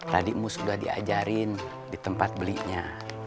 tadi emu sudah diajarin di tempat belinya